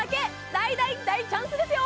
大大大チャンスですよ！